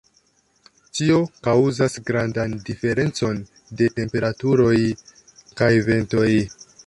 Tio kaŭzas grandan diferencon de temperaturoj kaj ventoj.